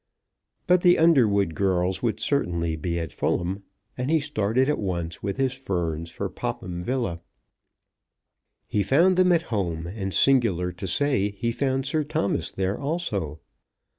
But the Underwood girls would certainly be at Fulham, and he started at once with his ferns for Popham Villa. He found them at home, and, singular to say, he found Sir Thomas there also.